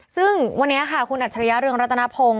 ซึ่งวันนี้ค่ะคุณอัจฉริยะเรืองรัตนพงศ์